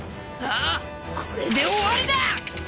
ああこれで終わりだ！